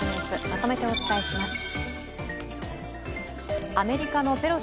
まとめてお伝えします。